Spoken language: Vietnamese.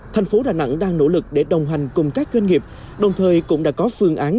thành phố đà nẵng đang nỗ lực để đồng hành cùng các doanh nghiệp đồng thời cũng đã có phương án